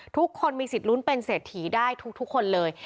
ทุกคนมีสิทธิ์ลุ้นเป็นเศรษฐีได้ทุกคนเลย